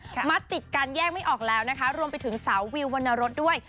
มัดติดการแยกไม่ออกแล้วนะคะรวมไปถึงสาววิววรรณรสด้วย